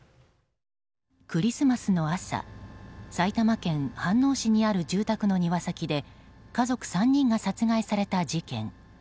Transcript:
クリスマスの朝埼玉県飯能市にある住宅の庭先で家族３人が殺害された事件。